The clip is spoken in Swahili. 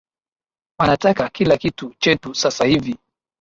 Wanataka kila kitu chetu sasa hivi